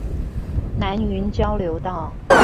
南雲交流道